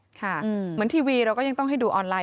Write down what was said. เหมือนทีวีเราก็ยังต้องให้ดูออนไลน